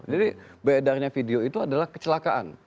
jadi bedanya video itu adalah kecelakaan